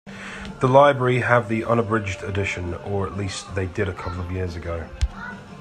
The library have the unabridged edition, or at least they did a couple of years ago.